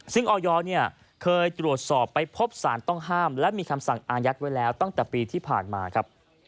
ซึ่งออยเคยตรวจสอบไปพบสารต้องห้ามและมีคำสั่งอายัดไว้แล้วตั้งแต่ปีที่ผ่านมาครับ